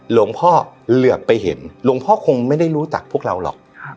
เหลือไปเห็นหลวงพ่อคงไม่ได้รู้จักพวกเราหรอก